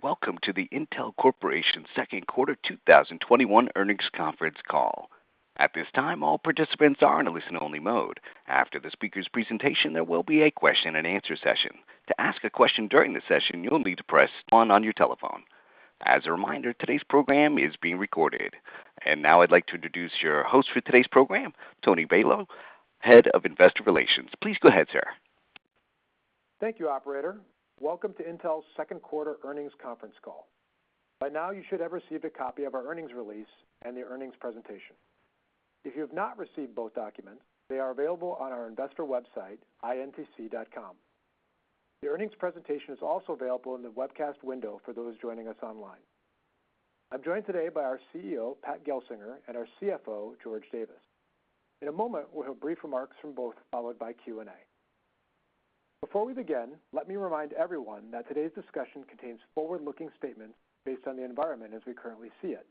Welcome to the Intel Corporation second quarter 2021 earnings conference call. At this time, all participants are in a listen-only mode. After the speaker's presentation, there will be a question-and-answer session. To ask a question during the session, you'll need to press 1 on your telephone. As a reminder, today's program is being recorded. Now I'd like to introduce your host for today's program, Tony Balow, Head of Investor Relations. Please go ahead, sir. Thank you, operator. Welcome to Intel's second quarter earnings conference call. By now you should have received a copy of our earnings release and the earnings presentation. If you have not received both documents, they are available on our investor website, intc.com. The earnings presentation is also available in the webcast window for those joining us online. I'm joined today by our CEO, Pat Gelsinger, and our CFO, George Davis. In a moment, we'll have brief remarks from both, followed by Q&A. Before we begin, let me remind everyone that today's discussion contains forward-looking statements based on the environment as we currently see it.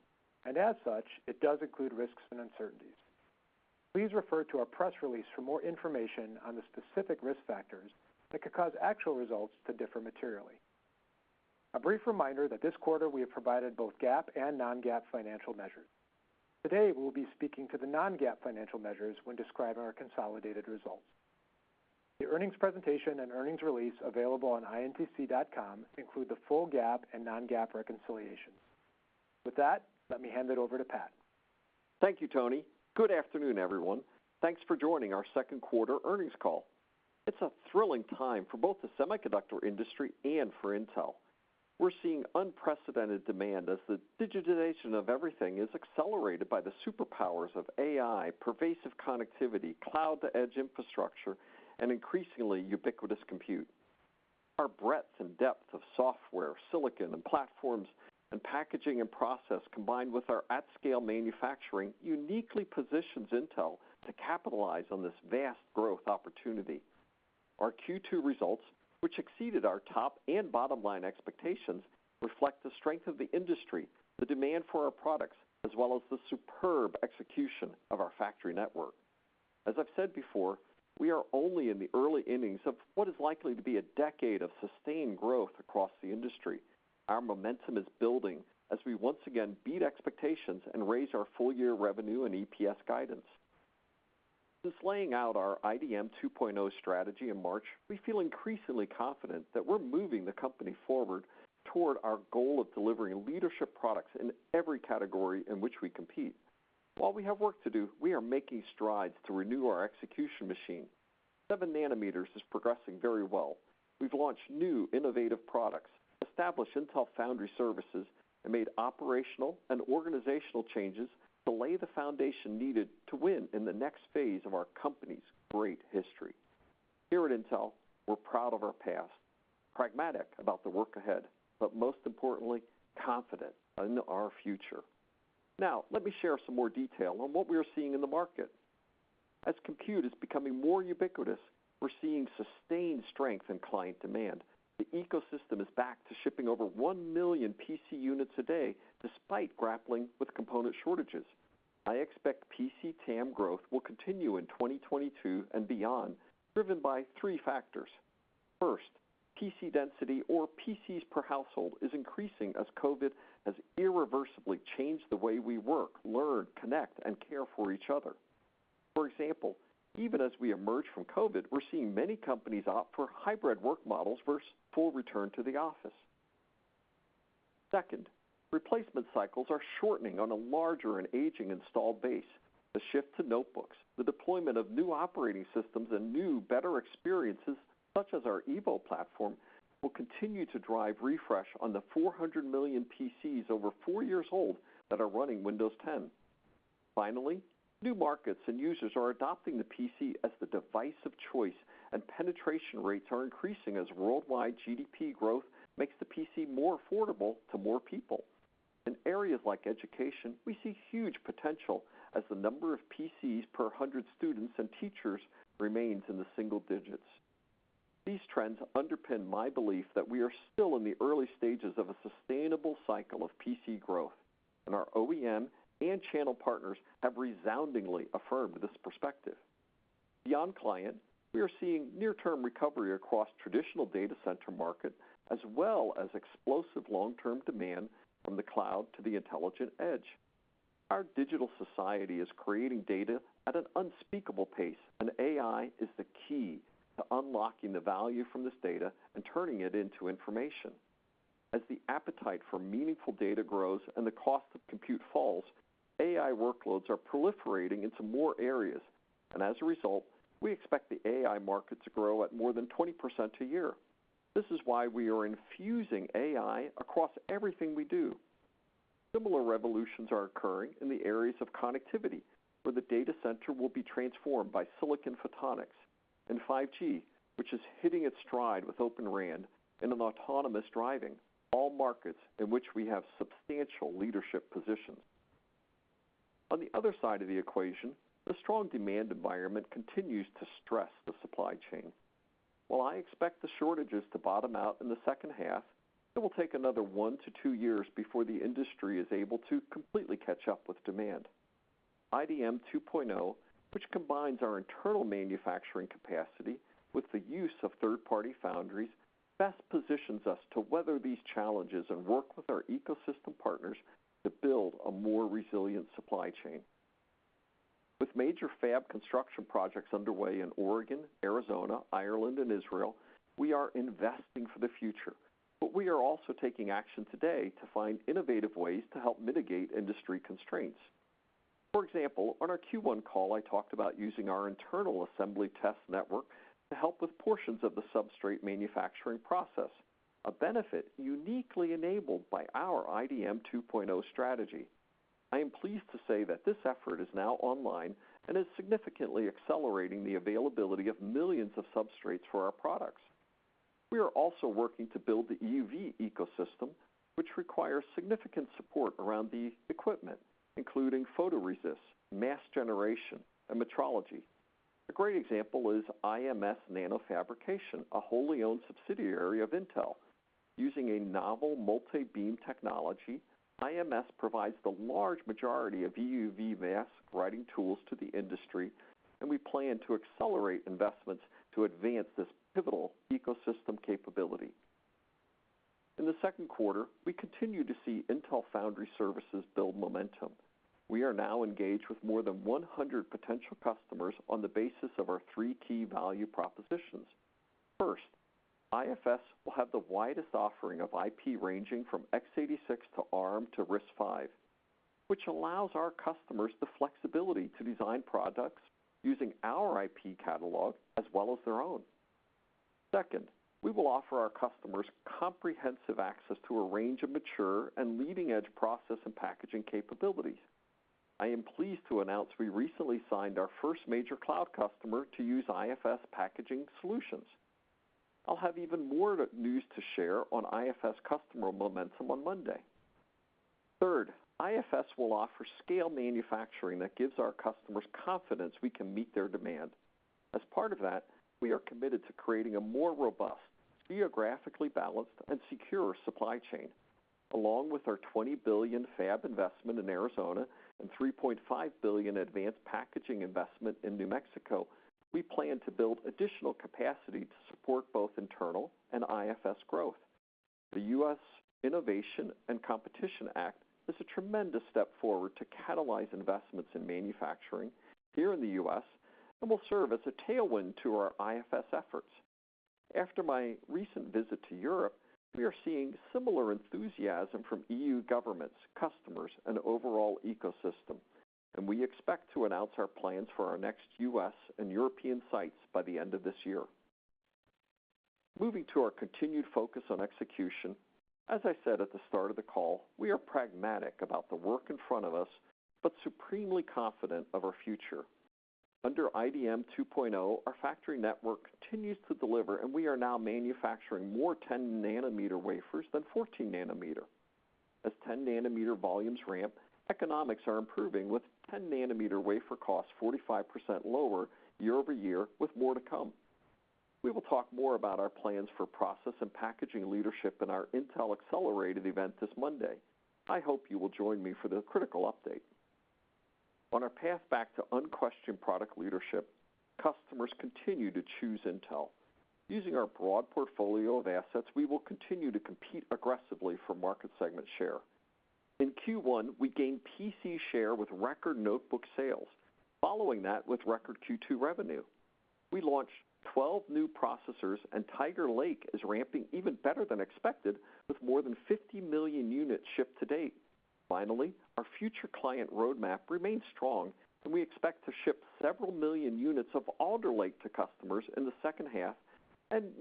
As such, it does include risks and uncertainties. Please refer to our press release for more information on the specific risk factors that could cause actual results to differ materially. A brief reminder that this quarter we have provided both GAAP and non-GAAP financial measures. Today we'll be speaking to the non-GAAP financial measures when describing our consolidated results. The earnings presentation and earnings release available on intc.com include the full GAAP and non-GAAP reconciliations. With that, let me hand it over to Pat. Thank you, Tony. Good afternoon, everyone. Thanks for joining our second quarter earnings call. It's a thrilling time for both the semiconductor industry and for Intel. We're seeing unprecedented demand as the digitization of everything is accelerated by the superpowers of AI, pervasive connectivity, cloud-to-edge infrastructure, and increasingly ubiquitous compute. Our breadth and depth of software, silicon, and platforms and packaging and process combined with our at-scale manufacturing uniquely positions Intel to capitalize on this vast growth opportunity. Our Q2 results, which exceeded our top and bottom line expectations, reflect the strength of the industry, the demand for our products, as well as the superb execution of our factory network. As I've said before, we are only in the early innings of what is likely to be a decade of sustained growth across the industry. Our momentum is building as we once again beat expectations and raise our full-year revenue and EPS guidance. Since laying out our IDM 2.0 strategy in March, we feel increasingly confident that we're moving the company forward toward our goal of delivering leadership products in every category in which we compete. While we have work to do, we are making strides to renew our execution machine. 7 nm is progressing very well. We've launched new innovative products, established Intel Foundry Services, and made operational and organizational changes to lay the foundation needed to win in the next phase of our company's great history. Here at Intel, we're proud of our past, pragmatic about the work ahead, but most importantly, confident in our future. Now, let me share some more detail on what we are seeing in the market. As compute is becoming more ubiquitous, we're seeing sustained strength in client demand. The ecosystem is back to shipping over 1 million PC units a day despite grappling with component shortages. I expect PC TAM growth will continue in 2022 and beyond, driven by three factors. First, PC density or PCs per household is increasing as COVID has irreversibly changed the way we work, learn, connect, and care for each other. For example, even as we emerge from COVID, we're seeing many companies opt for hybrid work models versus full return to the office. Second, replacement cycles are shortening on a larger and aging installed base. The shift to notebooks, the deployment of new operating systems and new better experiences, such as our Intel Evo platform, will continue to drive refresh on the 400 million PCs over four years old that are running Windows 10. New markets and users are adopting the PC as the device of choice, and penetration rates are increasing as worldwide GDP growth makes the PC more affordable to more people. In areas like education, we see huge potential as the number of PCs per 100 students and teachers remains in the single digits. These trends underpin my belief that we are still in the early stages of a sustainable cycle of PC growth, and our OEM and channel partners have resoundingly affirmed this perspective. Beyond client, we are seeing near-term recovery across traditional Data Center market as well as explosive long-term demand from the cloud to the intelligent edge. Our digital society is creating data at an unspeakable pace, AI is the key to unlocking the value from this data and turning it into information. As the appetite for meaningful data grows and the cost of compute falls, AI workloads are proliferating into more areas. As a result, we expect the AI market to grow at more than 20% a year. This is why we are infusing AI across everything we do. Similar revolutions are occurring in the areas of connectivity, where the Data Center will be transformed by silicon photonics and 5G, which is hitting its stride with Open RAN and in autonomous driving, all markets in which we have substantial leadership positions. On the other side of the equation, the strong demand environment continues to stress the supply chain. While I expect the shortages to bottom out in the second half, it will take another one to two years before the industry is able to completely catch up with demand. IDM 2.0, which combines our internal manufacturing capacity with the use of third-party foundries, best positions us to weather these challenges and work with our ecosystem partners to build a more resilient supply chain. With major fab construction projects underway in Oregon, Arizona, Ireland, and Israel, we are investing for the future. We are also taking action today to find innovative ways to help mitigate industry constraints. For example, on our Q1 call, I talked about using our internal assembly test network to help with portions of the substrate manufacturing process, a benefit uniquely enabled by our IDM 2.0 strategy. I am pleased to say that this effort is now online and is significantly accelerating the availability of millions of substrates for our products. We are also working to build the EUV ecosystem, which requires significant support around the equipment, including photoresist, mask generation, and metrology. A great example is IMS Nanofabrication, a wholly-owned subsidiary of Intel. Using a novel multi-beam technology, IMS provides the large majority of EUV mask writing tools to the industry, and we plan to accelerate investments to advance this pivotal ecosystem capability. In the second quarter, we continue to see Intel Foundry Services build momentum. We are now engaged with more than 100 potential customers on the basis of our three key value propositions. First, IFS will have the widest offering of IP ranging from x86 to Arm to RISC-V, which allows our customers the flexibility to design products using our IP catalog as well as their own. Second, we will offer our customers comprehensive access to a range of mature and leading-edge process and packaging capabilities. I am pleased to announce we recently signed our first major cloud customer to use IFS packaging solutions. I'll have even more news to share on IFS customer momentum on Monday. Third, IFS will offer scale manufacturing that gives our customers confidence we can meet their demand. As part of that, we are committed to creating a more robust, geographically balanced, and secure supply chain. Along with our $20 billion fab investment in Arizona and $3.5 billion advanced packaging investment in New Mexico, we plan to build additional capacity to support both internal and IFS growth. The United States Innovation and Competition Act is a tremendous step forward to catalyze investments in manufacturing here in the U.S., and will serve as a tailwind to our IFS efforts. After my recent visit to Europe, we are seeing similar enthusiasm from EU governments, customers, and overall ecosystem, and we expect to announce our plans for our next U.S. and European sites by the end of this year. Moving to our continued focus on execution, as I said at the start of the call, we are pragmatic about the work in front of us, but supremely confident of our future. Under IDM 2.0, our factory network continues to deliver, and we are now manufacturing more 10-nm wafers than 14 nm. As 10-nm volumes ramp, economics are improving, with 10-nm wafer costs 45% lower year-over-year, with more to come. We will talk more about our plans for process and packaging leadership in our Intel Accelerated Event this Monday. I hope you will join me for the critical update. On our path back to unquestioned product leadership, customers continue to choose Intel. Using our broad portfolio of assets, we will continue to compete aggressively for market segment share. In Q1, we gained PC share with record notebook sales. Following that with record Q2 revenue. We launched 12 new processors, and Tiger Lake is ramping even better than expected, with more than 50 million units shipped to date. Our future client roadmap remains strong. We expect to ship several million units of Alder Lake to customers in the second half.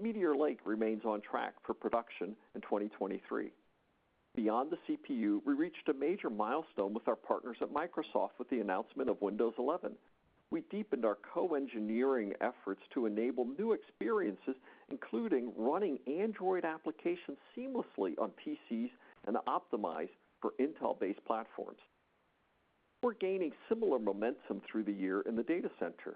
Meteor Lake remains on track for production in 2023. Beyond the CPU, we reached a major milestone with our partners at Microsoft with the announcement of Windows 11. We deepened our co-engineering efforts to enable new experiences, including running Android applications seamlessly on PCs and optimized for Intel-based platforms. We're gaining similar momentum through the year in the Data Center.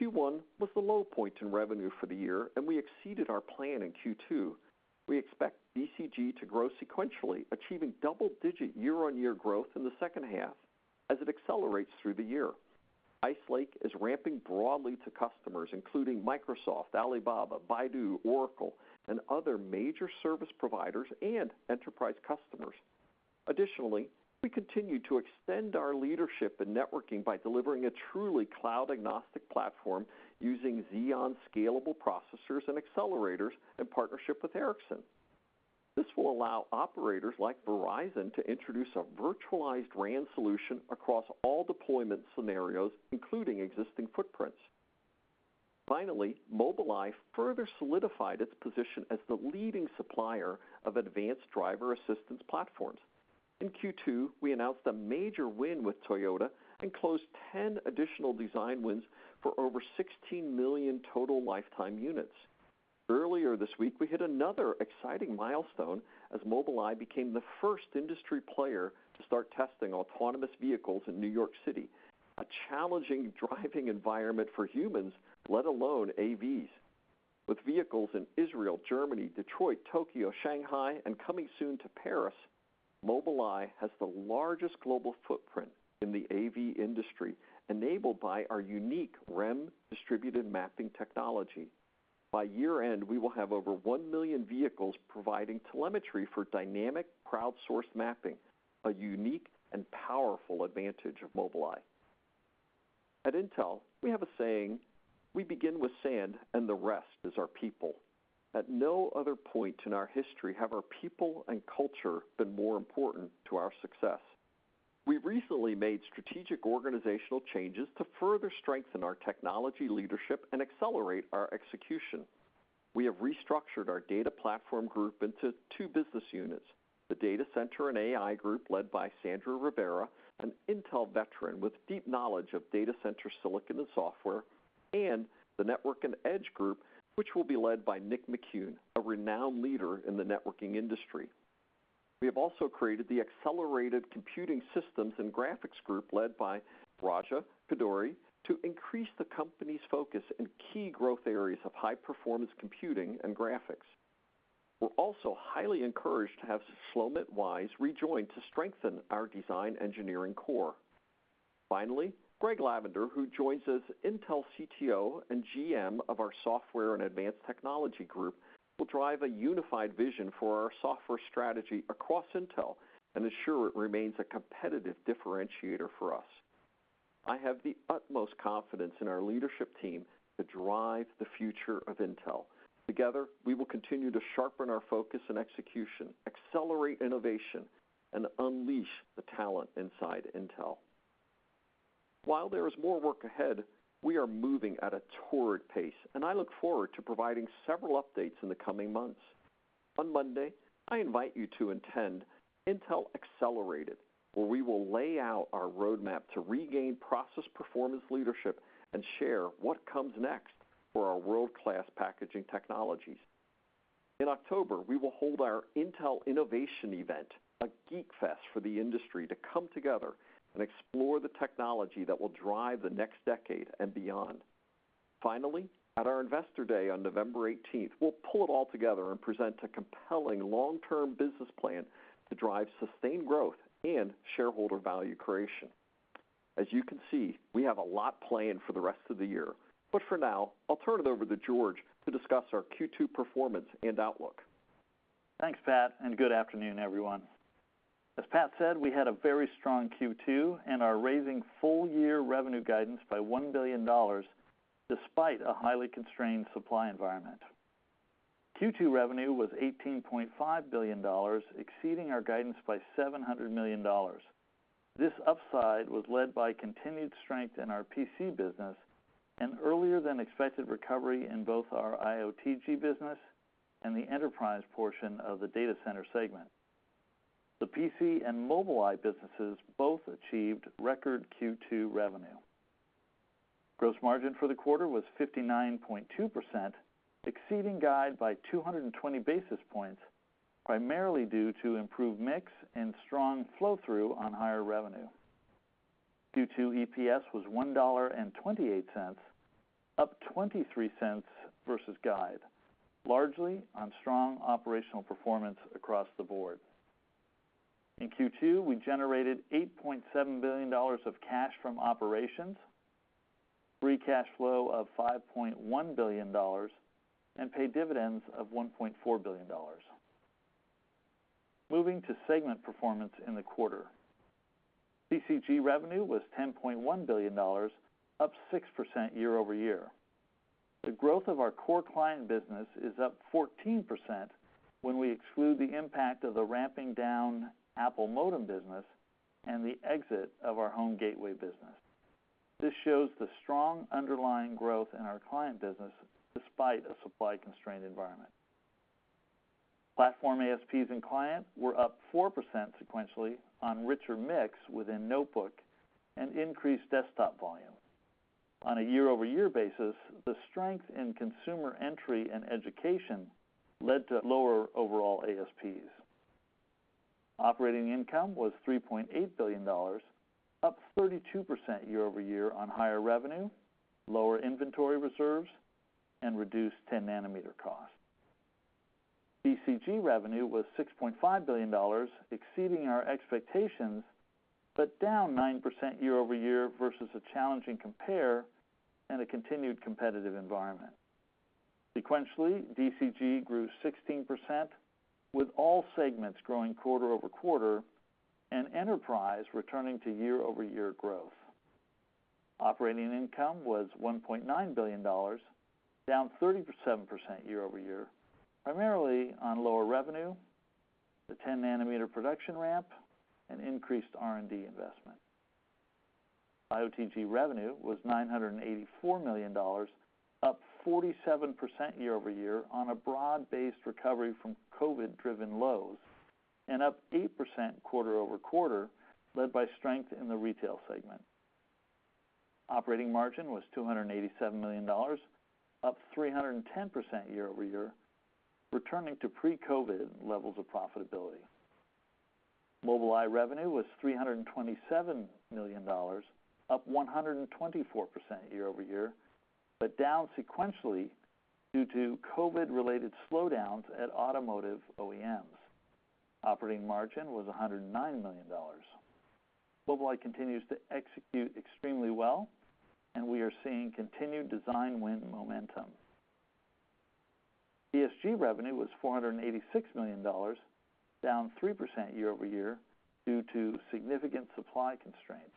Q1 was the low point in revenue for the year. We exceeded our plan in Q2. We expect DCG to grow sequentially, achieving double-digit year-on-year growth in the second half as it accelerates through the year. Ice Lake is ramping broadly to customers, including Microsoft, Alibaba, Baidu, Oracle, and other major service providers and enterprise customers. Additionally, we continue to extend our leadership in networking by delivering a truly cloud-agnostic platform using Xeon Scalable processors and accelerators in partnership with Ericsson. This will allow operators like Verizon to introduce a virtualized RAN solution across all deployment scenarios, including existing footprints. Finally, Mobileye further solidified its position as the leading supplier of advanced driver assistance platforms. In Q2, we announced a major win with Toyota and closed 10 additional design wins for over 16 million total lifetime units. Earlier this week, we hit another exciting milestone as Mobileye became the first industry player to start testing autonomous vehicles in New York City, a challenging driving environment for humans, let alone AVs. With vehicles in Israel, Germany, Detroit, Tokyo, Shanghai, and coming soon to Paris, Mobileye has the largest global footprint in the AV industry, enabled by our unique REM distributed mapping technology. By year-end, we will have over 1 million vehicles providing telemetry for dynamic crowdsourced mapping, a unique and powerful advantage of Mobileye. At Intel, we have a saying, "We begin with sand, and the rest is our people." At no other point in our history have our people and culture been more important to our success. We recently made strategic organizational changes to further strengthen our technology leadership and accelerate our execution. We have restructured our Data Platform Group into two business units, Data Center and AI Group led by Sandra Rivera, an Intel veteran with deep knowledge of Data Center silicon and software, and the Network and Edge Group, which will be led by Nick McKeown, a renowned leader in the networking industry. We have also created the Accelerated Computing Systems and Graphics Group led by Raja Koduri to increase the company's focus in key growth areas of high-performance computing and graphics. We're also highly encouraged to have Shlomit Weiss rejoined to strengthen our design engineering core. Finally, Greg Lavender, who joins as Intel CTO and GM of our Software and Advanced Technology Group, will drive a unified vision for our software strategy across Intel and ensure it remains a competitive differentiator for us. I have the utmost confidence in our leadership team to drive the future of Intel. Together, we will continue to sharpen our focus and execution, accelerate innovation, and unleash the talent inside Intel. While there is more work ahead, we are moving at a torrid pace, and I look forward to providing several updates in the coming months. On Monday, I invite you to attend Intel Accelerated, where we will lay out our roadmap to regain process performance leadership and share what comes next for our world-class packaging technologies. In October, we will hold our Intel Innovation event, a geek fest for the industry to come together and explore the technology that will drive the next decade and beyond. Finally, at our Investor Day on November 18th, we'll pull it all together and present a compelling long-term business plan to drive sustained growth and shareholder value creation. As you can see, we have a lot planned for the rest of the year, but for now, I'll turn it over to George to discuss our Q2 performance and outlook. Thanks, Pat. Good afternoon, everyone. As Pat said, we had a very strong Q2 and are raising full-year revenue guidance by $1 billion despite a highly constrained supply environment. Q2 revenue was $18.5 billion, exceeding our guidance by $700 million. This upside was led by continued strength in our PC business and earlier than expected recovery in both our IOTG business and the enterprise portion of the Data Center segment. The PC and Mobileye businesses both achieved record Q2 revenue. Gross margin for the quarter was 59.2%, exceeding guide by 220 basis points, primarily due to improved mix and strong flow-through on higher revenue. Q2 EPS was $1.28, up $0.23 versus guide, largely on strong operational performance across the board. In Q2, we generated $8.7 billion of cash from operations, free cash flow of $5.1 billion, and paid dividends of $1.4 billion. Moving to segment performance in the quarter. CCG revenue was $10.1 billion, up 6% year-over-year. The growth of our core client business is up 14% when we exclude the impact of the ramping down Apple modem business and the exit of our home gateway business. This shows the strong underlying growth in our client business despite a supply-constrained environment. Platform ASPs and clients were up 4% sequentially on richer mix within notebook and increased desktop volume. On a year-over-year basis, the strength in consumer entry and education led to lower overall ASPs. Operating income was $3.8 billion, up 32% year-over-year on higher revenue, lower inventory reserves, and reduced 10-nm costs. DCG revenue was $6.5 billion, exceeding our expectations, but down 9% year-over-year versus a challenging compare and a continued competitive environment. Sequentially, DCG grew 16%, with all segments growing quarter-over-quarter and enterprise returning to year-over-year growth. Operating income was $1.9 billion, down 37% year-over-year, primarily on lower revenue, the 10-nm production ramp, and increased R&D investment. IOTG revenue was $984 million, up 47% year-over-year on a broad-based recovery from COVID-driven lows and up 8% quarter-over-quarter, led by strength in the retail segment. Operating margin was $287 million, up 310% year-over-year, returning to pre-COVID levels of profitability. Mobileye revenue was $327 million, up 124% year-over-year, but down sequentially due to COVID-related slowdowns at automotive OEMs. Operating margin was $109 million. Mobileye continues to execute extremely well, and we are seeing continued design win momentum. PSG revenue was $486 million, down 3% year-over-year due to significant supply constraints.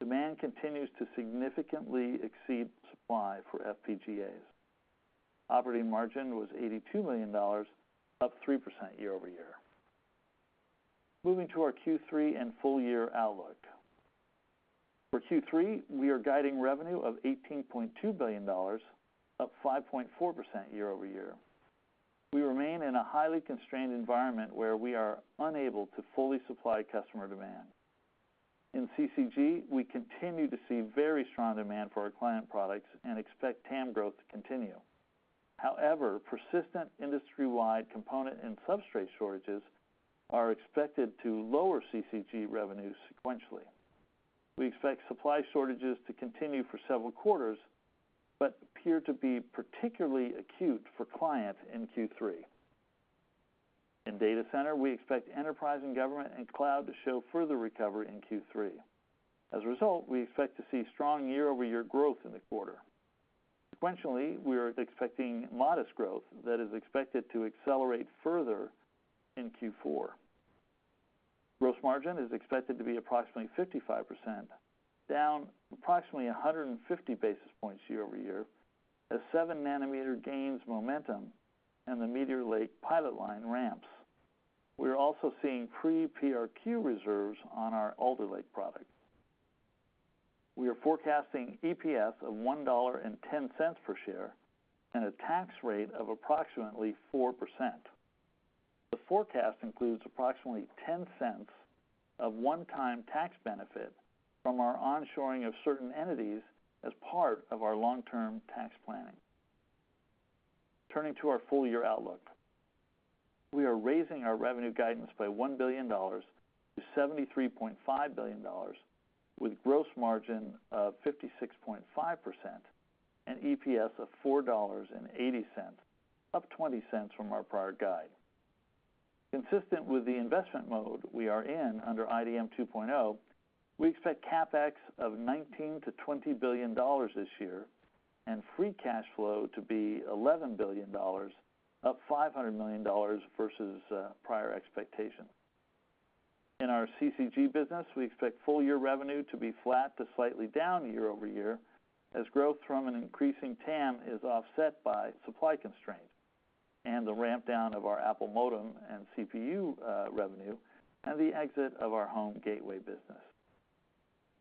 Demand continues to significantly exceed supply for FPGAs. Operating margin was $82 million, up 3% year-over-year. Moving to our Q3 and full year outlook. For Q3, we are guiding revenue of $18.2 billion, up 5.4% year-over-year. We remain in a highly constrained environment where we are unable to fully supply customer demand. In CCG, we continue to see very strong demand for our client products and expect TAM growth to continue. Persistent industry-wide component and substrate shortages are expected to lower CCG revenue sequentially. We expect supply shortages to continue for several quarters, but appear to be particularly acute for clients in Q3. In Data Center, we expect enterprise and government and cloud to show further recovery in Q3. As a result, we expect to see strong year-over-year growth in the quarter. Sequentially, we are expecting modest growth that is expected to accelerate further in Q4. Gross margin is expected to be approximately 55%, down approximately 150 basis points year-over-year as 7 nm gains momentum and the Meteor Lake pilot line ramps. We are also seeing pre-PRQ reserves on our Alder Lake product. We are forecasting EPS of $1.10 per share and a tax rate of approximately 4%. The forecast includes approximately $0.10 of one time tax benefit from our onshoring of certain entities as part of our long term tax planning. Turning to our full year outlook. We are raising our revenue guidance by $1 billion to $73.5 billion, with gross margin of 56.5% and EPS of $4.80, up $0.20 from our prior guide. Consistent with the investment mode we are in under IDM 2.0, we expect CapEx of $19 billion-$20 billion this year and free cash flow to be $11 billion, up $500 million versus prior expectations. In our CCG business, we expect full year revenue to be flat to slightly down year-over-year as growth from an increasing TAM is offset by supply constraints and the ramp down of our Apple modem and CPU revenue and the exit of our home gateway business.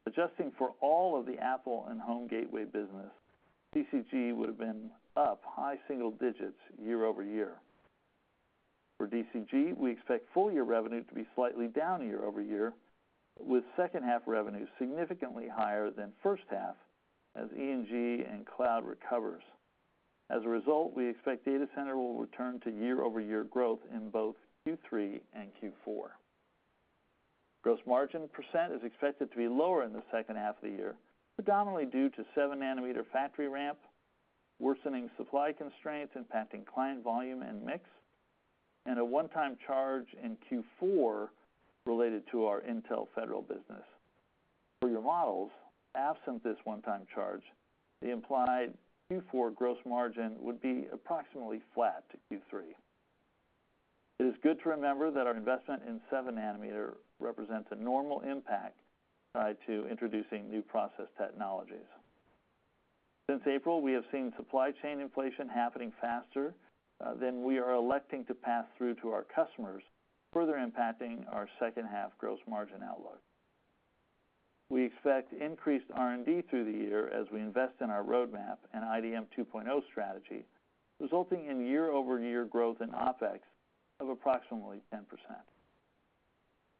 Adjusting for all of the Apple and home gateway business, CCG would have been up high single digits year-over-year. For DCG, we expect full year revenue to be slightly down year-over-year, with second half revenue significantly higher than first half as E&G and cloud recovers. As a result, we expect Data Center will return to year-over-year growth in both Q3 and Q4. Gross margin percentage is expected to be lower in the second half of the year, predominantly due to 7 nm factory ramp, worsening supply constraints impacting client volume and mix, and a one-time charge in Q4 related to our Intel Federal business. For your models, absent this one-time charge, the implied Q4 gross margin would be approximately flat to Q3. It is good to remember that our investment in 7 nm represents a normal impact tied to introducing new process technologies. Since April, we have seen supply chain inflation happening faster than we are electing to pass through to our customers, further impacting our second half gross margin outlook. We expect increased R&D through the year as we invest in our roadmap and IDM 2.0 strategy, resulting in year-over-year growth in OpEx of approximately 10%.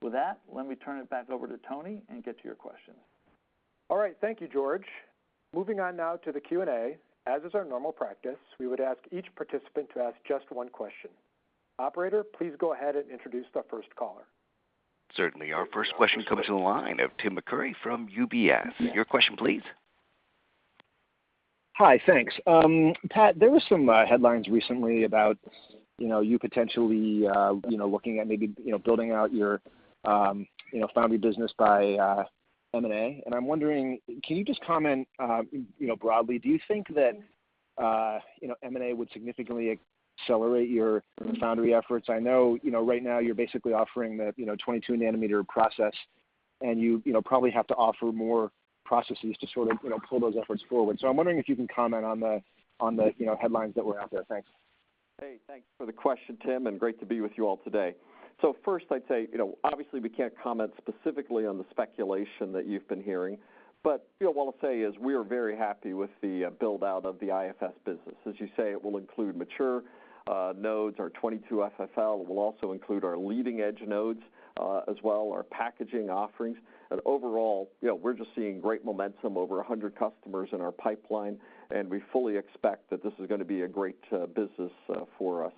With that, let me turn it back over to Tony and get to your questions. All right. Thank you, George. Moving on now to the Q&A. As is our normal practice, we would ask each participant to ask just one question. Operator, please go ahead and introduce the first caller. Certainly. Our first question comes to the line of Timothy Arcuri from UBS. Your question, please. Hi. Thanks. Pat, there were some headlines recently about you potentially looking at maybe building out your foundry business by M&A. I'm wondering, can you just comment broadly, do you think that M&A would significantly accelerate your foundry efforts? I know right now you're basically offering the 22 nm process, and you probably have to offer more processes to sort of pull those efforts forward. I'm wondering if you can comment on the, on the headlines that were out there. Thanks. Thanks for the question, Tim, great to be with you all today. First I'd say, you know, obviously we can't comment specifically on the speculation that you've been hearing, but what I'll say is we are very happy with the build out of the IFS business. As you say, it will include mature nodes. Our 22FFL will also include our leading edge nodes, as well our packaging offerings. Overall, you know, we're just seeing great momentum, over 100 customers in our pipeline, we fully expect that this is gonna be a great business for us.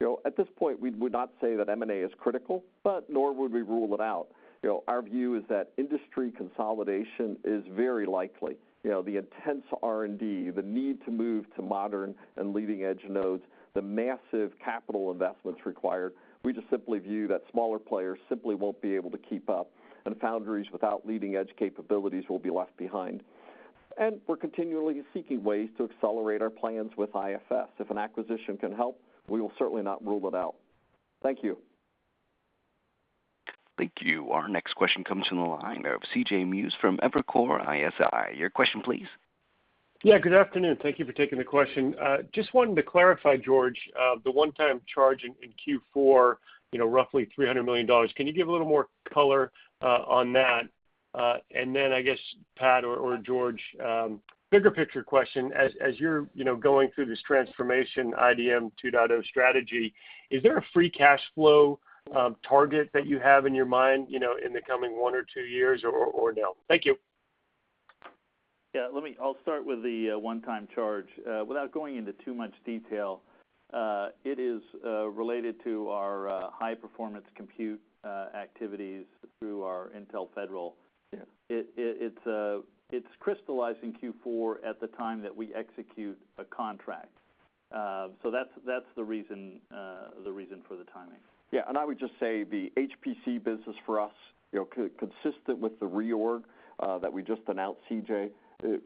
You know, at this point, we would not say that M&A is critical, but nor would we rule it out. You know, our view is that industry consolidation is very likely. You know, the intense R&D, the need to move to modern and leading-edge nodes, the massive capital investments required. We just simply view that smaller players simply won't be able to keep up, and foundries without leading-edge capabilities will be left behind. We're continually seeking ways to accelerate our plans with IFS. If an acquisition can help, we will certainly not rule it out. Thank you. Thank you. Our next question comes from the line of CJ Muse from Evercore ISI. Your question, please. Yeah, good afternoon. Thank you for taking the question. Just wanted to clarify, George, the one-time charge in Q4, you know, roughly $300 million. Can you give a little more color on that? Then I guess, Pat or George, bigger picture question. As you're, you know, going through this transformation IDM 2.0 strategy, is there a free cash flow target that you have in your mind, you know, in the coming one or two years or no? Thank you. Yeah, I'll start with the one-time charge. Without going into too much detail, it is related to our high performance compute activities through our Intel Federal. Yeah. It's crystallizing Q4 at the time that we execute a contract. That's the reason, the reason for the timing. I would just say the HPC business for us, you know, co-consistent with the reorg that we just announced, CJ,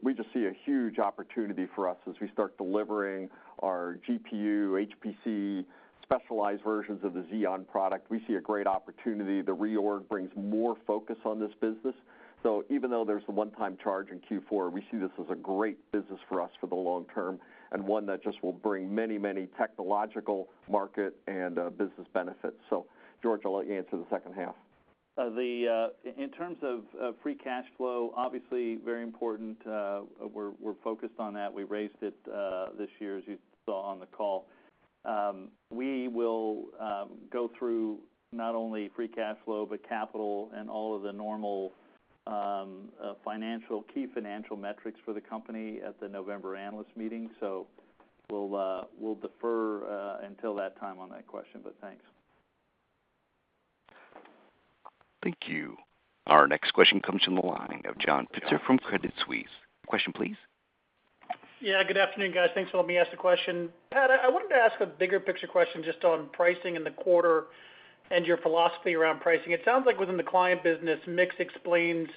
we just see a huge opportunity for us as we start delivering our GPU HPC specialized versions of the Xeon product. We see a great opportunity. The reorg brings more focus on this business. Even though there's the one-time charge in Q4, we see this as a great business for us for the long term, and one that just will bring many, many technological market and business benefits. George, I'll let you answer the second half. In terms of free cash flow, obviously very important. We're focused on that. We raised it this year, as you saw on the call. We will go through not only free cash flow, but capital and all of the normal financial, key financial metrics for the company at the November Analyst Meeting. We'll defer until that time on that question. Thanks. Thank you. Our next question comes from the line of John Pitzer from Credit Suisse. Question, please. Good afternoon, guys. Thanks for letting me ask the question. Pat, I wanted to ask a bigger picture question just on pricing in the quarter and your philosophy around pricing. It sounds like within the client business, mix explains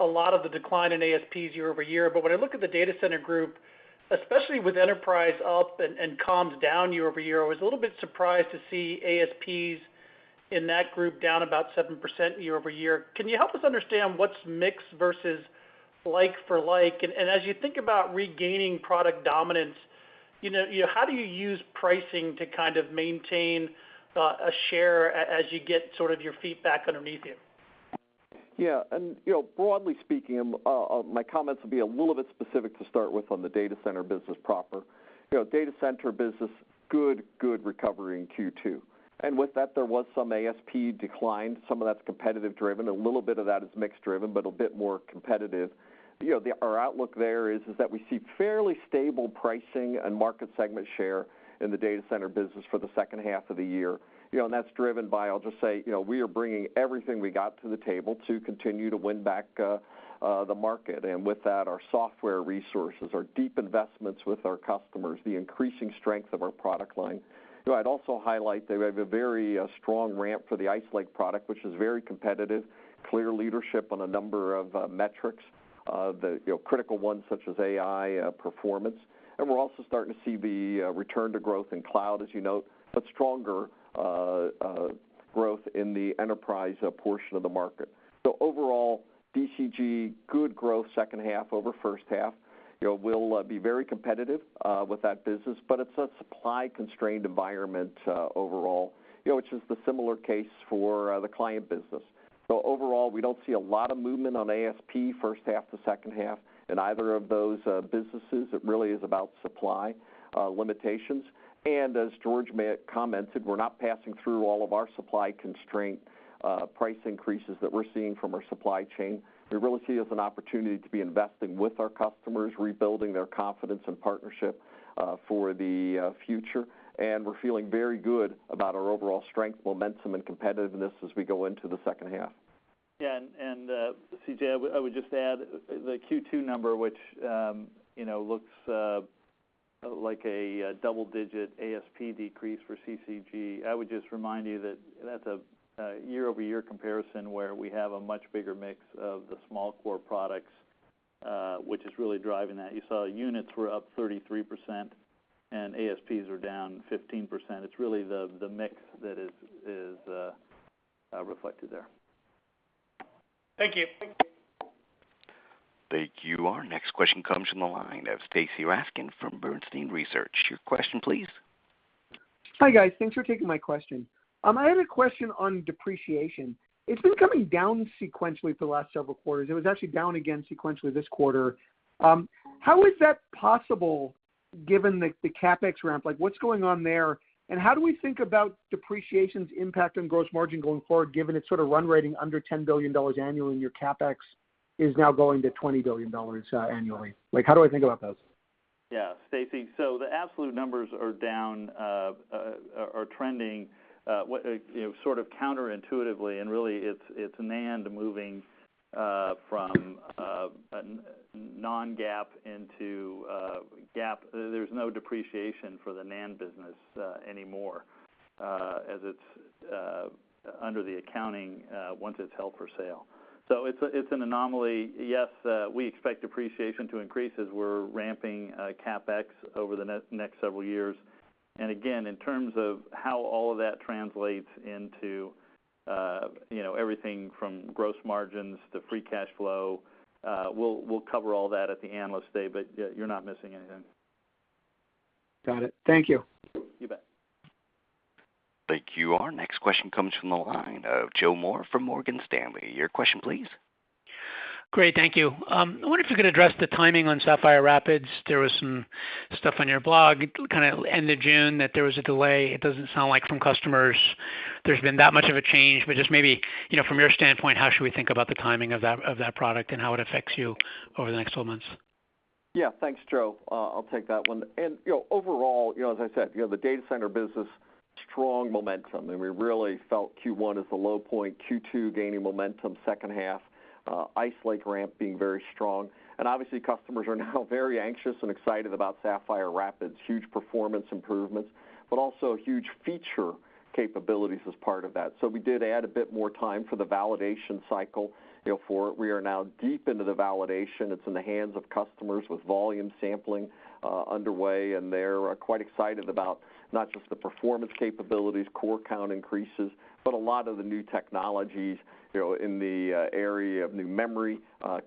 a lot of the decline in ASPs year-over-year. When I look at the Data Center group, especially with enterprise up and comms down year-over-year, I was a little bit surprised to see ASPs in that group down about 7% year-over-year. Can you help us understand what's mix versus like for like? As you think about regaining product dominance, you know, how do you use pricing to kind of maintain a share as you get sort of your feet back underneath you? Yeah. You know, broadly speaking, my comments will be a little bit specific to start with on the Data Center business proper. You know, Data Center business, good recovery in Q2. With that, there was some ASP decline. Some of that's competitive driven, a little bit of that is mix driven, but a bit more competitive. You know, our outlook there is that we see fairly stable pricing and market segment share in the Data Center business for the second half of the year. You know, that's driven by, I'll just say, you know, we are bringing everything we got to the table to continue to win back the market, and with that, our software resources, our deep investments with our customers, the increasing strength of our product line. You know, I'd also highlight that we have a very strong ramp for the Ice Lake product, which is very competitive. Clear leadership on a number of metrics, the, you know, critical ones such as AI performance. We're also starting to see the return to growth in cloud, as you note, but stronger growth in the enterprise portion of the market. Overall, DCG, good growth second half over first half. You know, we'll be very competitive with that business, but it's a supply-constrained environment overall, you know, which is the similar case for the client business. Overall, we don't see a lot of movement on ASP first half to second half in either of those businesses. It really is about supply limitations. As George commented, we're not passing through all of our supply constraint price increases that we're seeing from our supply chain. We really see it as an opportunity to be investing with our customers, rebuilding their confidence and partnership for the future. We're feeling very good about our overall strength, momentum and competitiveness as we go into the second half. Yeah. CJ, I would just add the Q2 number, which, you know, looks like a double-digit ASP decrease for CCG. I would just remind you that that's a year-over-year comparison where we have a much bigger mix of the small core products, which is really driving that. You saw units were up 33% and ASPs are down 15%. It's really the mix that is reflected there. Thank you. Thank you. Our next question comes from the line of Stacy Rasgon from Bernstein Research. Your question, please. Hi, guys. Thanks for taking my question. I had a question on depreciation. It's been coming down sequentially for the last several quarters. It was actually down again sequentially this quarter. How is that possible given the CapEx ramp? Like, what's going on there? How do we think about depreciation's impact on gross margin going forward, given it's sort of run rating under $10 billion annually in your CapEx? Is now going to $20 billion annually. Like how do I think about those? Stacy, the absolute numbers are down, are trending, you know, sort of counterintuitively and really it's NAND moving from non-GAAP into GAAP. There's no depreciation for the NAND business anymore, as it's under the accounting once it's held for sale. It's an anomaly. Yes, we expect depreciation to increase as we're ramping CapEx over the next several years. Again, in terms of how all of that translates into, you know, everything from gross margins to free cash flow, we'll cover all that at the Analyst Day, but you're not missing anything. Got it. Thank you. You bet. Thank you. Our next question comes from the line of Joe Moore from Morgan Stanley. Your question please. Great. Thank you. I wonder if you could address the timing on Sapphire Rapids. There was some stuff on your blog kind of end of June that there was a delay. It doesn't sound like from customers there's been that much of a change, but just maybe, you know, from your standpoint, how should we think about the timing of that product and how it affects you over the next 12 months? Yeah. Thanks, Joe. I'll take that one. You know, overall, you know, as I said, you know, the Data Center business, strong momentum, and we really felt Q1 as the low point, Q2 gaining momentum second half. Ice Lake ramp being very strong. Obviously customers are now very anxious and excited about Sapphire Rapids. Huge performance improvements, but also huge feature capabilities as part of that. We did add a bit more time for the validation cycle, you know, for it. We are now deep into the validation. It's in the hands of customers with volume sampling underway, and they're quite excited about not just the performance capabilities, core count increases, but a lot of the new technologies, you know, in the area of new memory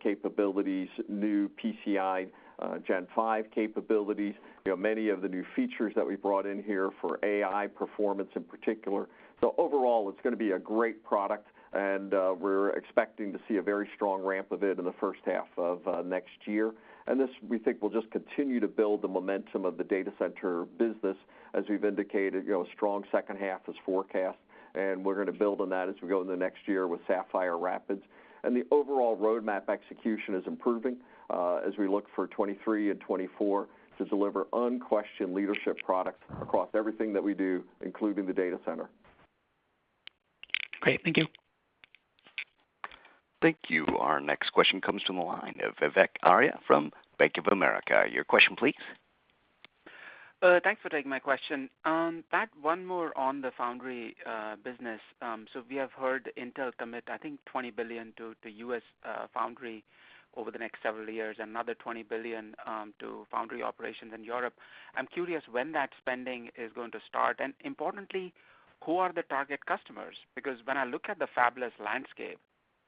capabilities, new PCIe Gen 5 capabilities. You know, many of the new features that we brought in here for AI performance in particular. Overall, it's gonna be a great product, and we're expecting to see a very strong ramp of it in the first half of next year. This, we think, will just continue to build the momentum of Data Center business as we've indicated. You know, a strong second half is forecast, and we're gonna build on that as we go into the next year with Sapphire Rapids. The overall roadmap execution is improving as we look for 2023 and 2024 to deliver unquestioned leadership products across everything that we do, including the Data Center. Great. Thank you. Thank you. Our next question comes from the line of Vivek Arya from Bank of America. Your question, please. Thanks for taking my question. Pat, one more on the foundry business. We have heard Intel commit I think $20 billion to U.S. foundry over the next several years, another $20 billion to foundry operations in Europe. I'm curious when that spending is going to start, and importantly, who are the target customers? Because when I look at the fabless landscape,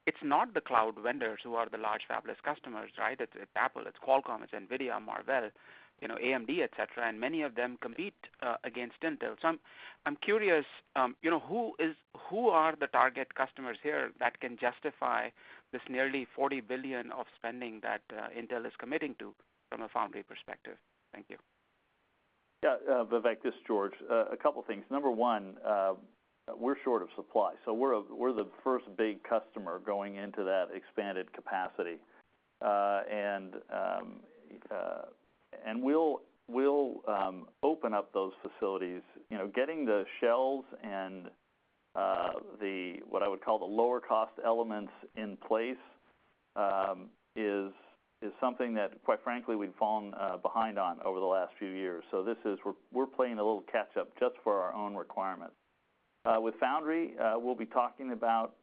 it's not the cloud vendors who are the large fabless customers, right? It's Apple, it's Qualcomm, it's NVIDIA, Marvell, you know, AMD, et cetera, and many of them compete against Intel. I'm curious, you know, who are the target customers here that can justify this nearly $40 billion of spending that Intel is committing to from a foundry perspective? Thank you. Vivek, this is George. A couple things. Number one, we're short of supply, so we're the first big customer going into that expanded capacity. We'll open up those facilities. You know, getting the shells and the, what I would call the lower cost elements in place, is something that quite frankly we've fallen behind on over the last few years. This is, we're playing a little catch up just for our own requirements. With foundry, we'll be talking about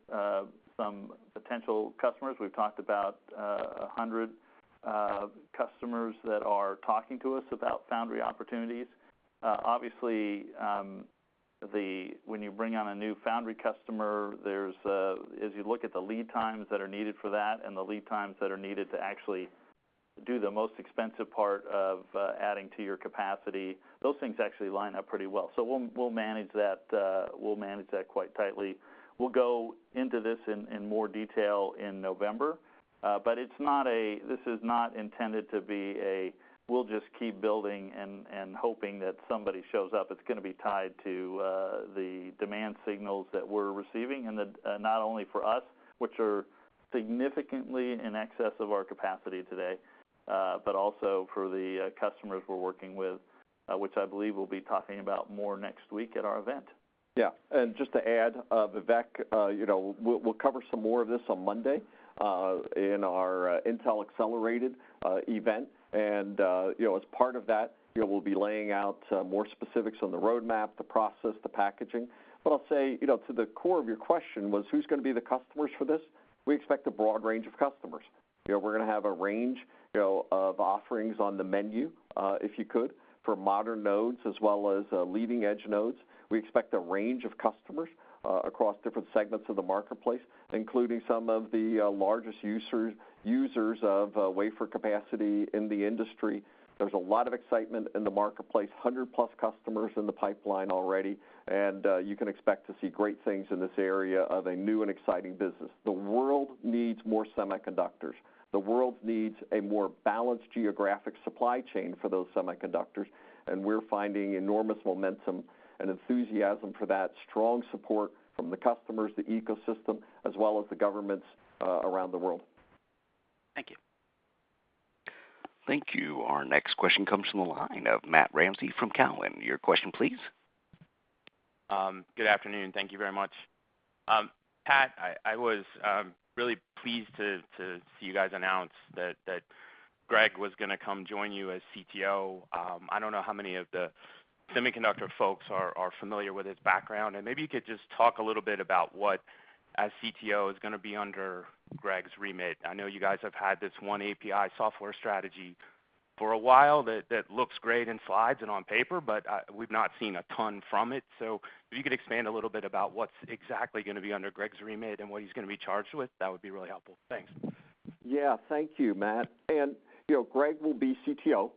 some potential customers. We've talked about 100 customers that are talking to us about foundry opportunities. Obviously, when you bring on a new foundry customer, as you look at the lead times that are needed for that and the lead times that are needed to actually do the most expensive part of adding to your capacity, those things actually line up pretty well. We'll manage that, we'll manage that quite tightly. We'll go into this in more detail in November. This is not intended to be a we'll just keep building and hoping that somebody shows up. It's gonna be tied to the demand signals that we're receiving and the not only for us, which are significantly in excess of our capacity today, but also for the customers we're working with, which I believe we'll be talking about more next week at our event. Just to add, Vivek, you know, we'll cover some more of this on Monday in our Intel Accelerated event. As part of that, you know, we'll be laying out more specifics on the roadmap, the process, the packaging. I'll say, you know, to the core of your question was who's gonna be the customers for this? We expect a broad range of customers. You know, we're gonna have a range, you know, of offerings on the menu, if you could, for modern nodes as well as leading edge nodes. We expect a range of customers across different segments of the marketplace, including some of the largest users of wafer capacity in the industry. There's a lot of excitement in the marketplace, 100-plus customers in the pipeline already, and you can expect to see great things in this area of a new and exciting business. The world needs more semiconductors. The world needs a more balanced geographic supply chain for those semiconductors, and we're finding enormous momentum and enthusiasm for that strong support from the customers, the ecosystem, as well as the governments around the world. Thank you. Thank you. Our next question comes from the line of Matthew Ramsay from Cowen. Your question, please. Good afternoon. Thank you very much. Pat, I was really pleased to see you guys announce that Greg was gonna come join you as CTO. I don't know how many of the semiconductor folks are familiar with his background, and maybe you could just talk a little bit about what as CTO is gonna be under Greg's remit. I know you guys have had this oneAPI software strategy for a while that looks great in slides and on paper, but we've not seen a ton from it. If you could expand a little bit about what's exactly gonna be under Greg's remit and what he's gonna be charged with, that would be really helpful. Thanks. Thank you, Matthew Ramsay. You know, Greg Lavender will be CTO,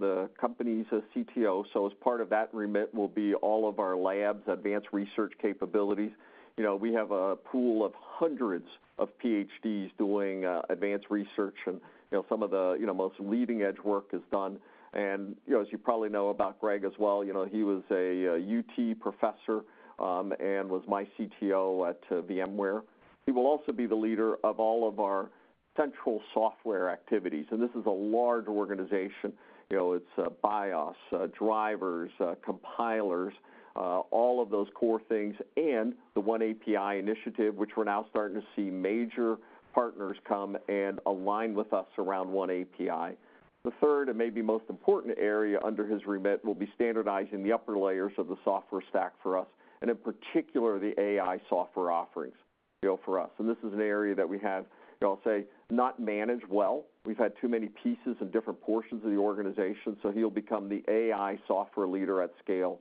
the company's CTO, as part of that remit will be all of our labs, advanced research capabilities. You know, we have a pool of hundreds of PhDs doing advanced research, you know, some of the, you know, most leading edge work is done. You know, as you probably know about Greg Lavender as well, you know, he was a University of Texas at Austin professor, and was my CTO at VMware. He will also be the leader of all of our central software activities. This is a large organization. You know, it's BIOS, drivers, compilers, all of those core things, the oneAPI initiative, which we're now starting to see major partners come and align with us around oneAPI. The third and maybe most important area under his remit will be standardizing the upper layers of the software stack for us, and in particular, the AI software offerings, you know, for us. This is an area that we have, I'll say, not managed well. We've had too many pieces and different portions of the organization, so he'll become the AI software leader at scale,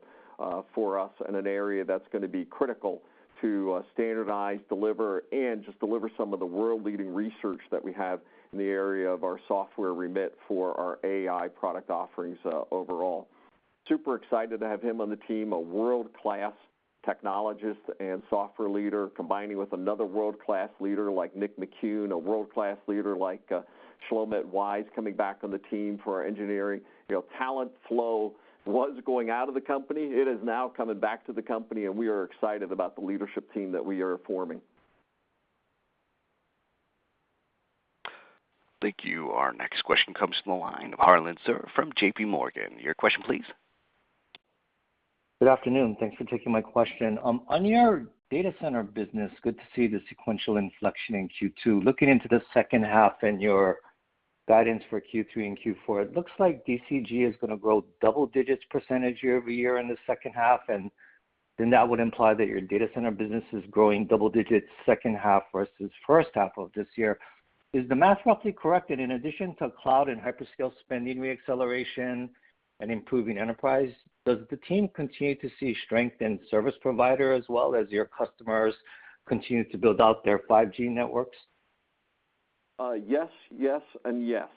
for us in an area that's gonna be critical to standardize, deliver, and just deliver some of the world-leading research that we have in the area of our software remit for our AI product offerings, overall. Super excited to have him on the team. A world-class technologist and software leader combining with another world-class leader like Nick McKeown, a world-class leader like Shlomit Weiss coming back on the team for our engineering. You know, talent flow was going out of the company. It is now coming back to the company, and we are excited about the leadership team that we are forming. Thank you. Our next question comes from the line of Harlan Sur from JPMorgan. Your question, please. Good afternoon. Thanks for taking my question. On your Data Center business, good to see the sequential inflection in Q2. Looking into the second half and your guidance for Q3 and Q4, it looks like DCG is gonna grow double digits percentage year-over-year in the second half, then that would imply that your Data Center business is growing double digits second half versus first half of this year. Is the math roughly correct? In addition to cloud and hyperscale spending re-acceleration and improving enterprise, does the team continue to see strength in service provider as well as your customers continue to build out their 5G networks? Yes, yes, and yes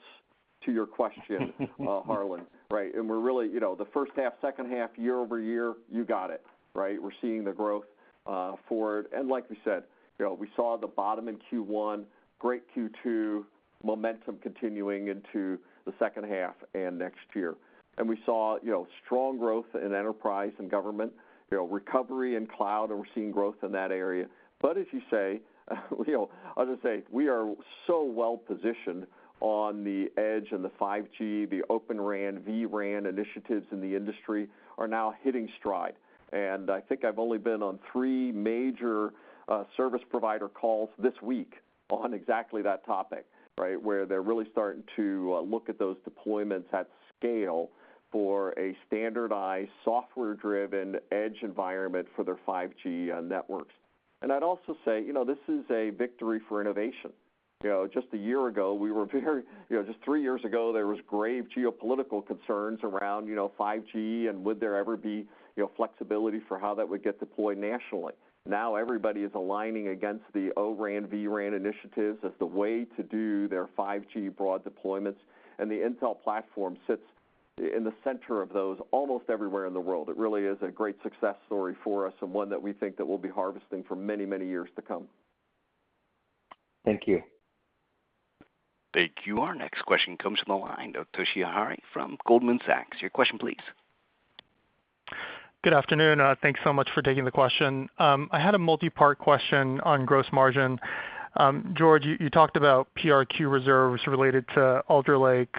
to your question, Harlan. Right. We're really, you know, the first half, second half, year-over-year, you got it, right? We're seeing the growth forward. Like we said, you know, we saw the bottom in Q1, great Q2, momentum continuing into the second half and next year. We saw, you know, strong growth in enterprise and government. You know, recovery in cloud, and we're seeing growth in that area. As you say, you know, as I say, we are so well-positioned on the edge and the 5G. The Open RAN, vRAN initiatives in the industry are now hitting stride. I think I've only been on three major service provider calls this week on exactly that topic, right? Where they're really starting to look at those deployments at scale for a standardized software-driven edge environment for their 5G networks. I'd also say, you know, this is a victory for innovation. Just a year ago, just three years ago, there was grave geopolitical concerns around, you know, 5G, and would there ever be, you know, flexibility for how that would get deployed nationally? Now everybody is aligning against the O-RAN, vRAN initiatives as the way to do their 5G broad deployments, and the Intel platform sits in the center of those almost everywhere in the world. It really is a great success story for us and one that we think that we'll be harvesting for many, many years to come. Thank you. Thank you. Our next question comes from the line of Toshiya Hari from Goldman Sachs. Your question, please. Good afternoon. Thanks so much for taking the question. I had a multi-part question on gross margin. George, you talked about PRQ reserves related to Alder Lake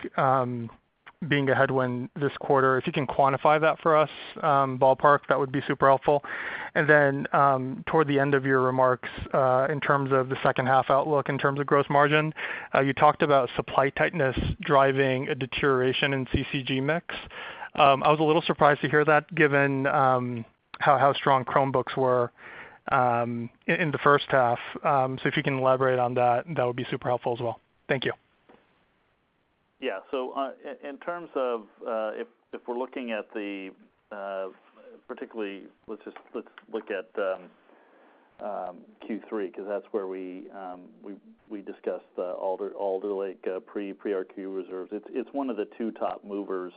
being a headwind this quarter. If you can quantify that for us, ballpark, that would be super helpful. Toward the end of your remarks, in terms of the second half outlook in terms of gross margin, you talked about supply tightness driving a deterioration in CCG mix. I was a little surprised to hear that given how strong Chromebooks were in the first half. If you can elaborate on that would be super helpful as well. Thank you. Yeah. In terms of, if we're looking at the, particularly let's look at Q3 'cause that's where we discussed the Alder Lake, PRQ reserves. It's one of the two top movers.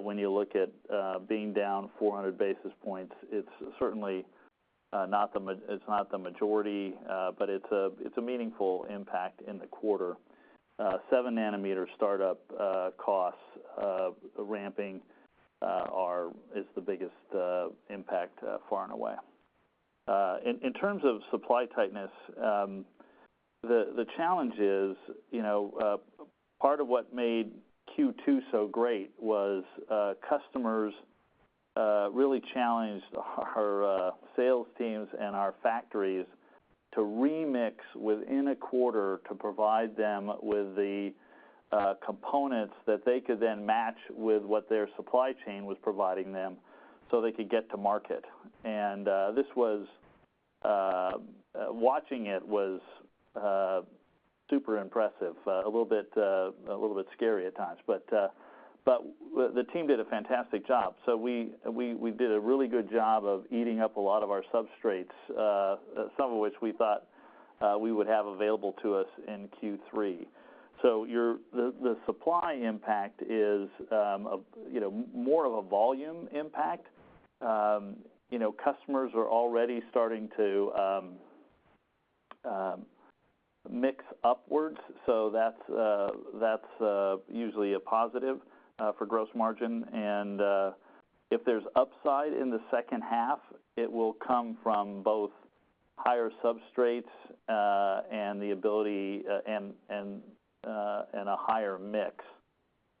When you look at being down 400 basis points, it's certainly not the majority, but it's a meaningful impact in the quarter. 7 nm startup costs ramping is the biggest impact far and away. In terms of supply tightness, the challenge is, you know, part of what made Q2 so great was customers really challenged our sales teams and our factories to remix within a quarter to provide them with the components that they could then match with what their supply chain was providing them so they could get to market. This was watching it was super impressive. A little bit a little bit scary at times. The team did a fantastic job. We did a really good job of eating up a lot of our substrates, some of which we thought we would have available to us in Q3. The supply impact is, you know, more of a volume impact. You know, customers are already starting to mix upwards, that's usually a positive for gross margin. If there's upside in the second half, it will come from both higher substrates and the ability and a higher mix.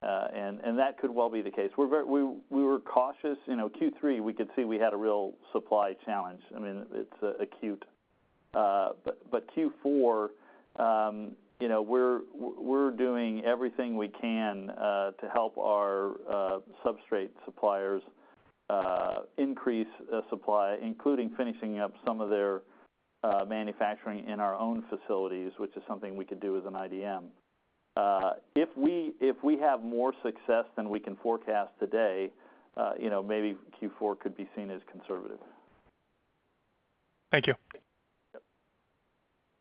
And that could well be the case. We were cautious. You know, Q3 we could see we had a real supply challenge. I mean, it's acute. Q4, you know, we're doing everything we can to help our substrate suppliers increase supply, including finishing up some of their manufacturing in our own facilities, which is something we could do as an IDM. If we, if we have more success than we can forecast today, you know, maybe Q4 could be seen as conservative. Thank you.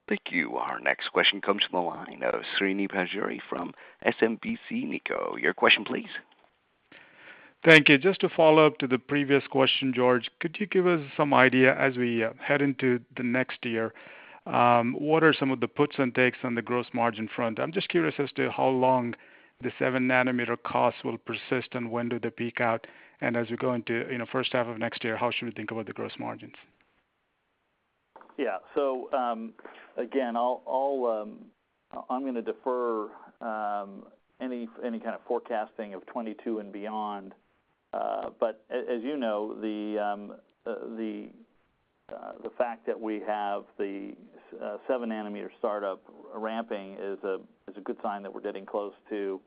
Yep. Thank you. Our next question comes from the line of Srini Pajjuri from SMBC Nikko. Your question please. Thank you. Just to follow up to the previous question, George, could you give us some idea, as we head into the next year, what are some of the puts and takes on the gross margin front? I'm just curious as to how long the 7 nm costs will persist, and when do they peak out, and as we go into, you know, first half of next year, how should we think about the gross margins? Yeah. Again, I'll defer any kind of forecasting of '22 and beyond. As you know, the fact that we have the 7 nm startup ramping is a good sign that we're getting close to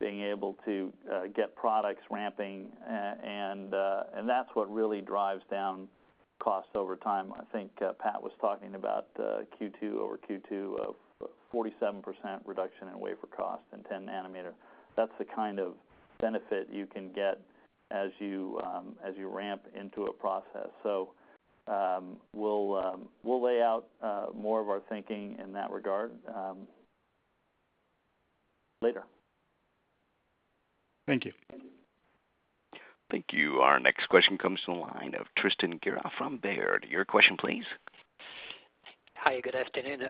being able to get products ramping, and that's what really drives down costs over time. I think Pat was talking about Q2, over Q2 of 47% reduction in wafer cost in 10 nm. That's the kind of benefit you can get as you ramp into a process. We'll lay out more of our thinking in that regard later. Thank you. Thank you. Our next question comes from the line of Tristan Gerra from Baird. Your question please. Hi, good afternoon.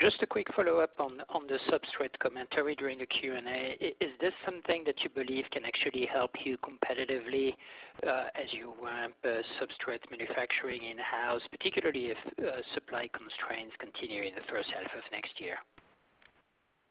Just a quick follow-up on the substrate commentary during the Q&A. Is this something that you believe can actually help you competitively as you ramp substrate manufacturing in-house, particularly if supply constraints continue in the first half of next year?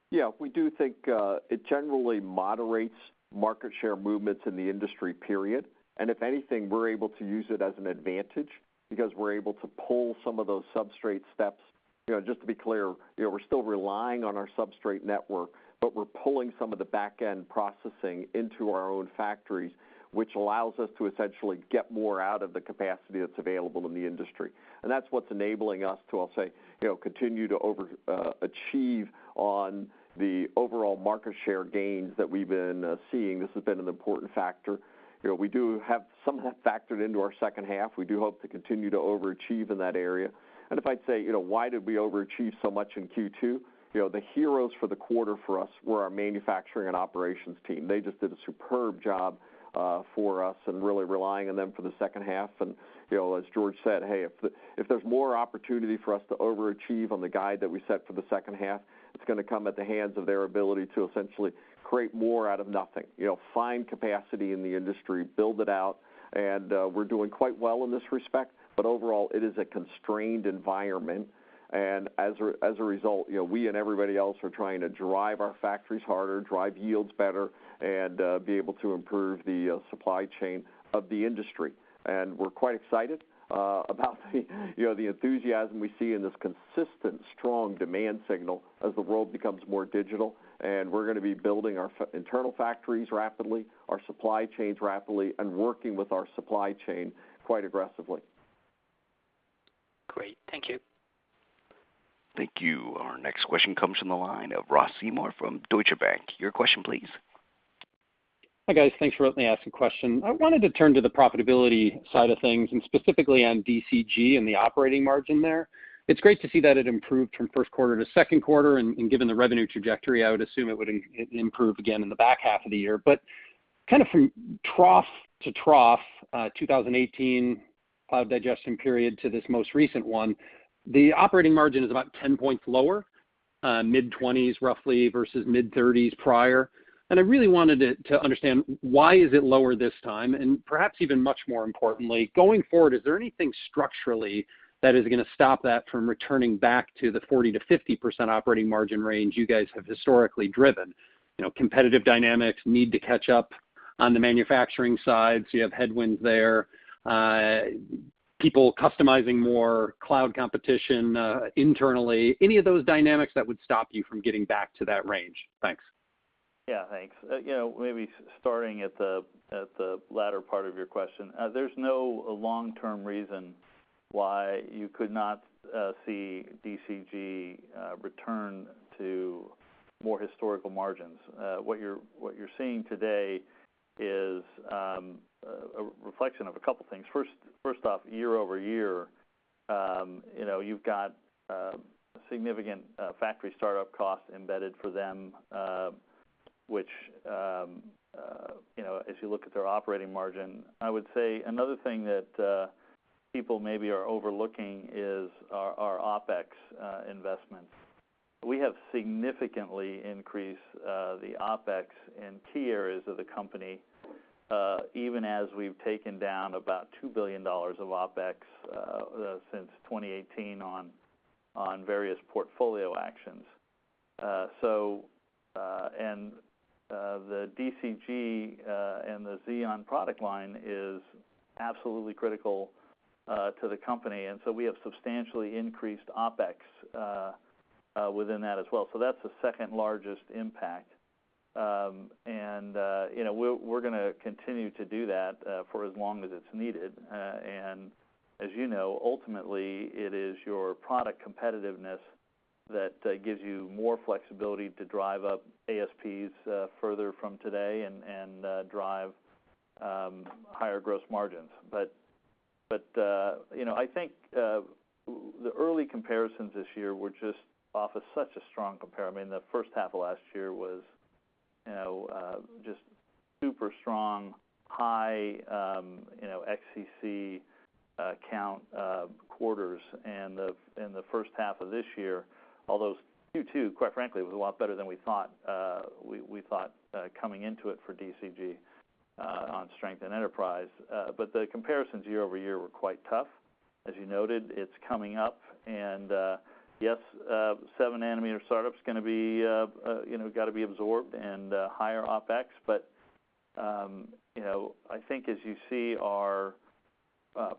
Yeah. We do think it generally moderates market share movements in the industry, period. If anything, we're able to use it as an advantage because we're able to pull some of those substrate steps. You know, just to be clear, you know, we're still relying on our substrate network, but we're pulling some of the backend processing into our own factories, which allows us to essentially get more out of the capacity that's available in the industry, and that's what's enabling us to, I'll say, you know, continue to overachieve on the overall market share gains that we've been seeing. This has been an important factor. You know, we do have some of that factored into our second half. We do hope to continue to overachieve in that area. If I'd say, you know, why did we overachieve so much in Q2, you know, the heroes for the quarter for us were our manufacturing and operations team. They just did a superb job for us, and really relying on them for the second half. You know, as George said, hey, if there's more opportunity for us to overachieve on the guide that we set for the second half, it's gonna come at the hands of their ability to essentially create more out of nothing. You know, find capacity in the industry, build it out, and we're doing quite well in this respect, but overall it is a constrained environment. As a result, you know, we and everybody else are trying to drive our factories harder, drive yields better, and be able to improve the supply chain of the industry. We're quite excited, you know, the enthusiasm we see in this consistent strong demand signal as the world becomes more digital, and we're gonna be building our internal factories rapidly, our supply chains rapidly, and working with our supply chain quite aggressively. Great. Thank you. Thank you. Our next question comes from the line of Ross Seymore from Deutsche Bank. Your question please. Hi, guys. Thanks for letting me ask a question. I wanted to turn to the profitability side of things, and specifically on DCG and the operating margin there. It's great to see that it improved from first quarter to second quarter, and given the revenue trajectory, I would assume it would improve again in the back half of the year. Kind of from trough to trough, 2018 cloud digestion period to this most recent one, the operating margin is about 10 points lower, mid-twenties roughly, versus mid-thirties prior. I really wanted to understand why is it lower this time, and perhaps even much more importantly, going forward, is there anything structurally that is gonna stop that from returning back to the 40%-50% operating margin range you guys have historically driven? You know, competitive dynamics, need to catch up on the manufacturing side. You have headwinds there. People customizing more cloud competition, internally. Any of those dynamics that would stop you from getting back to that range? Thanks. Yeah, thanks. You know, maybe starting at the latter part of your question. There's no long-term reason why you could not see DCG return to more historical margins. What you're seeing today is a reflection of a couple things. First off, year-over-year, you know, you've got significant factory startup costs embedded for them, which, you know, if you look at their operating margin. I would say another thing that people maybe are overlooking is our OpEx investments. We have significantly increased the OpEx in key areas of the company, even as we've taken down about $2 billion of OpEx since 2018 on various portfolio actions. The DCG and the Xeon product line is absolutely critical to the company, and so we have substantially increased OPEX within that as well. That's the second-largest impact. You know, we're gonna continue to do that for as long as it's needed. As you know, ultimately, it is your product competitiveness that gives you more flexibility to drive up ASPs further from today and drive higher gross margins. You know, I think the early comparisons this year were just off of such a strong compare. I mean, the first half of last year was, you know, just super strong, high, you know, XCC count quarters. The first half of this year, although Q2, quite frankly, was a lot better than we thought, we thought coming into it for DCG on strength and enterprise. The comparisons year-over-year were quite tough. As you noted, it's coming up, yes, 7 nm startup's gonna be, you know, gotta be absorbed, and higher OpEx. You know, I think as you see our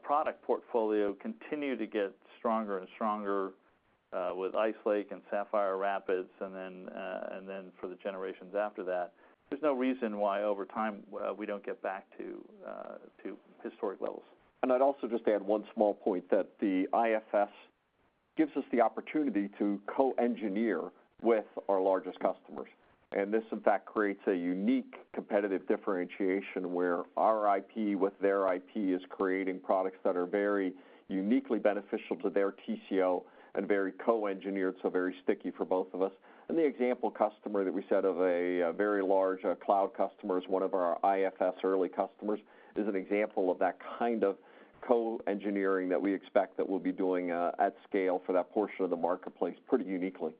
product portfolio continue to get stronger and stronger with Ice Lake and Sapphire Rapids, then for the generations after that, there's no reason why over time we don't get back to historic levels. I'd also just add one small point, that the IFS gives us the opportunity to co-engineer with our largest customers. This, in fact, creates a unique competitive differentiation where our IP with their IP is creating products that are very uniquely beneficial to their TCO and very co-engineered, so very sticky for both of us. The example customer that we said of a very large cloud customer is one of our IFS early customers, is an example of that kind of co-engineering that we expect that we'll be doing at scale for that portion of the marketplace pretty uniquely.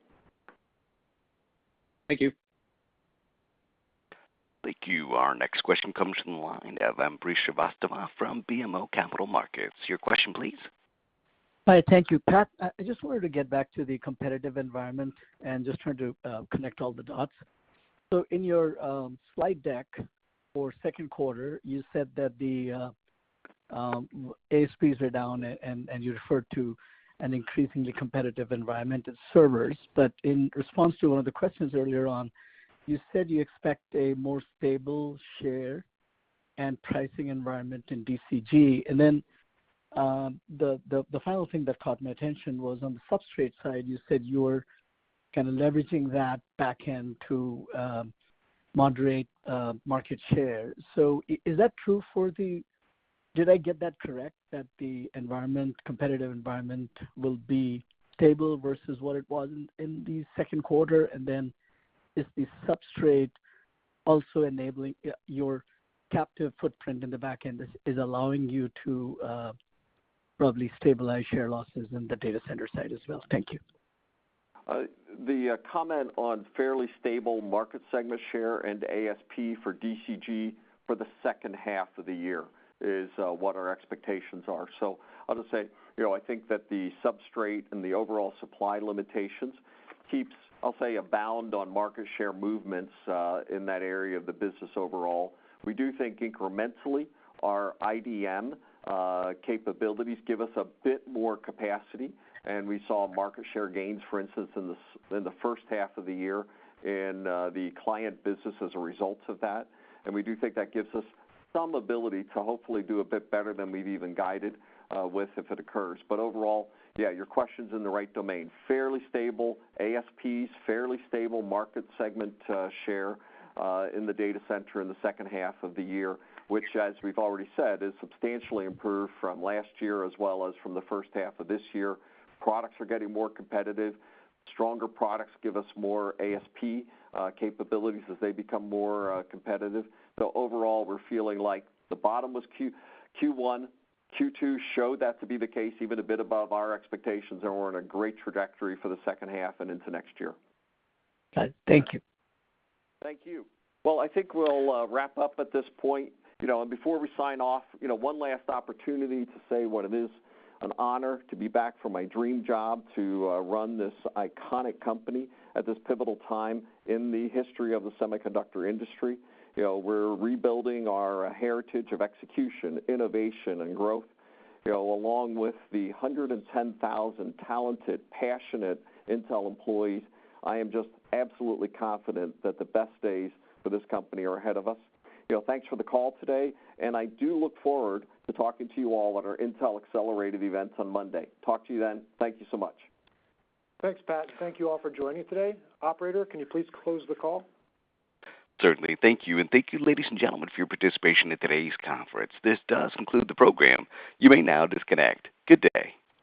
Thank you. Thank you. Our next question comes from the line of Ambrish Srivastava from BMO Capital Markets. Your question please. Hi, thank you. Pat, I just wanted to get back to the competitive environment, and just trying to connect all the dots. In your slide deck for second quarter, you said that the ASPs are down and you referred to an increasingly competitive environment of servers. In response to one of the questions earlier on, you said you expect a more stable share and pricing environment in DCG. The final thing that caught my attention was on the substrate side, you said you're kinda leveraging that back end to moderate market share. Is that true for the? Did I get that correct? That the environment, competitive environment will be stable versus what it was in the second quarter, is the substrate also enabling your captive footprint in the back end is allowing you to probably stabilize share losses in the Data Center side as well? Thank you. The comment on fairly stable market segment share and ASP for DCG for the second half of the year is what our expectations are. I'll just say, you know, I think that the substrate and the overall supply limitations keeps, I'll say, a bound on market share movements in that area of the business overall. We do think incrementally our IDM capabilities give us a bit more capacity, and we saw market share gains, for instance, in the first half of the year in the client business as a result of that. We do think that gives us some ability to hopefully do a bit better than we've even guided with if it occurs. Overall, yeah, your question's in the right domain. Fairly stable ASPs, fairly stable market segment share in the Data Center in the second half of the year, which, as we've already said, is substantially improved from last year as well as from the first half of this year. Products are getting more competitive. Stronger products give us more ASP capabilities as they become more competitive. Overall, we're feeling like the bottom was Q1. Q2 showed that to be the case, even a bit above our expectations, and we're in a great trajectory for the second half and into next year. Thank you. Thank you. Well, I think we'll wrap up at this point. You know, before we sign off, you know, one last opportunity to say what it is an honor to be back for my dream job, to run this iconic company at this pivotal time in the history of the semiconductor industry. You know, we're rebuilding our heritage of execution, innovation, and growth. You know, along with the 110,000 talented, passionate Intel employees, I am just absolutely confident that the best days for this company are ahead of us. You know, thanks for the call today, and I do look forward to talking to you all at our Intel Accelerated events on Monday. Talk to you then. Thank you so much. Thanks, Pat. Thank you all for joining today. Operator, can you please close the call? Certainly. Thank you, and thank you, ladies and gentlemen, for your participation in today's conference. This does conclude the program. You may now disconnect. Good day.